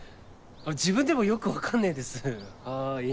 自分でもよく分かんねえですはい。